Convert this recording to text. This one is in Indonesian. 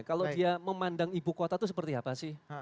kalau dia memandang ibu kota itu seperti apa sih